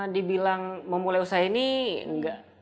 dibilang mau mulai usaha ini enggak